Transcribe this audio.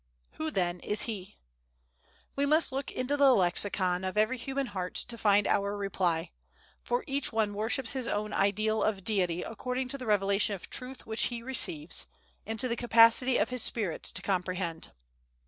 Who, then, is He! We must look into the lexicon of every human heart to find our reply; for each one worships his own Ideal of Deity according to the revelation of Truth which he receives, and to the capacity of his spirit to comprehend.